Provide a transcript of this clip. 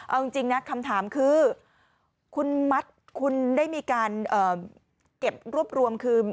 เอาจริงนะคำถามคือคุณมัดคุณได้มีการเก็บรวบรวมคือ